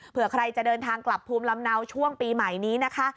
เพื่อใครจะเดินทางกลับภูมิลำเนาช่วงปีใหม่นี้นะคะ